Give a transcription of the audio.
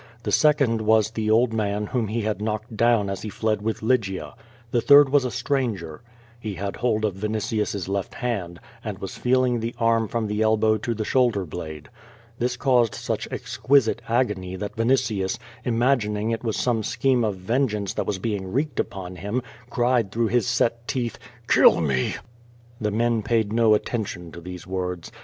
The second was the old man whom he had knocked down as he fled with Lygia. The third was a stranger. He had hold of Viniti us's left hand, and was feeling the arm from the elbow to the shoulder blade. This caused such exquisite agony that Vinitius, imagining it was some scheme of vengeance that was being wreaked upon him, cried through his set teeth: "Kill me!'' The men paid no attention to these words.